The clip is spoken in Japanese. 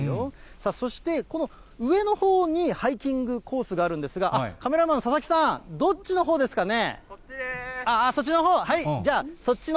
さあそして、この上のほうにハイキングコースがあるんですが、あっ、カメラマン、ささきさん、どっちのほうですかね？